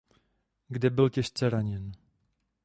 Kde byl těžce raněn.